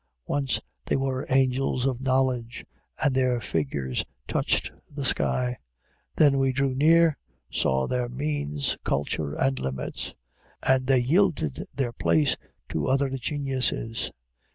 Once they were angels of knowledge, and their figures touched the sky. Then we drew near, saw their means, culture, and limits; and they yielded their place to other geniuses.